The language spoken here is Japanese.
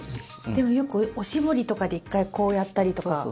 でも、よくおしぼりとかで１回、こうやったりとか。